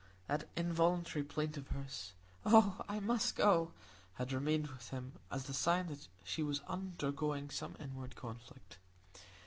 That involuntary plaint of hers, "Oh, I must go," had remained with him as the sign that she was undergoing some inward conflict.